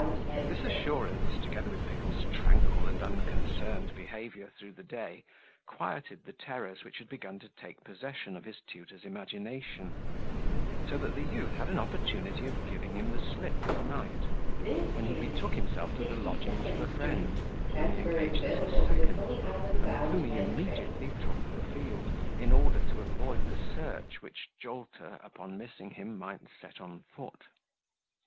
This assurance, together with Pickle's tranquil and unconcerned behaviour through the day, quieted the terrors which had begun to take possession of his tutor's imagination; so that the youth had an opportunity of giving him the slip at night, when he betook himself to the lodgings of a friend, whom he engaged as his second, and with whom he immediately took the field, in order to avoid the search which Jolter, upon missing him, might set on foot.